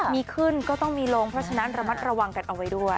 มีขึ้นก็ต้องมีลงเพราะฉะนั้นระมัดระวังกันเอาไว้ด้วย